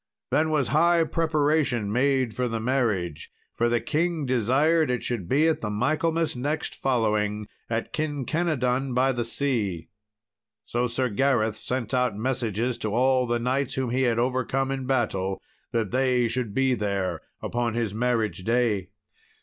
Then was high preparation made for the marriage, for the king desired it should be at the Michaelmas next following, at Kinkenadon by the Sea. So Sir Gareth sent out messages to all the knights whom he had overcome in battle that they should be there upon his marriage day.